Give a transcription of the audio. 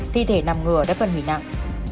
thi thể nằm ngừa đất vân hủy nặng